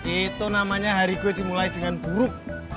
itu namanya hari gue dimulai dengan buruk